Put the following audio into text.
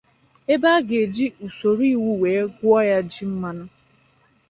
ebe a ga-eji usoro iwu wee gwọọ ya ji mmanụ.